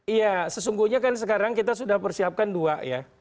iya sesungguhnya kan sekarang kita sudah persiapkan dua ya